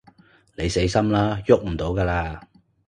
你死心啦，逳唔到㗎喇